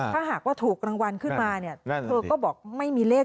ถ้าหากว่าถูกรางวัลขึ้นมาเนี่ยเธอก็บอกไม่มีเลข